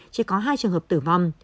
chỉ có hai trường hợp tử vong